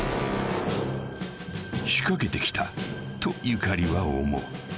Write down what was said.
［仕掛けてきた！とゆかりは思う］